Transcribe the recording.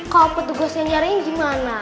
kau petugas yang nyariin gimana